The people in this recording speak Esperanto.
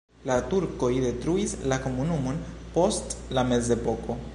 La turkoj detruis la komunumon post la mezepoko.